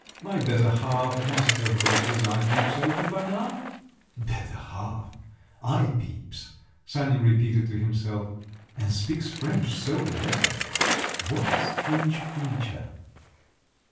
My better half must have got his eye peeps open by now." "Better half! Eye peeps!" Sanin repeated to himself … "And speaks French so well … what a strange creature!"